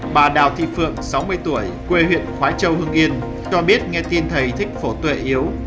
bà đào thị phượng sáu mươi tuổi quê huyện khói châu hưng yên cho biết nghe tin thầy thích phổ tuệ yếu